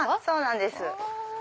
そうなんです。